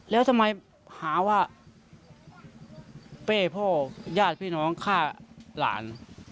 แล้วทำไมหาว่าเป้พ่อญาติพี่น้องฆ่าหลาน